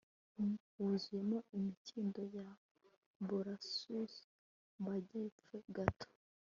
wuzuyemo imikindo ya borassus. mu majyepfo gato